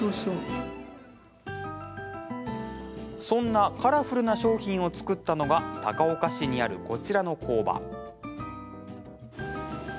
そんなカラフルな商品を作ったのが高岡市にある、こちらの工場。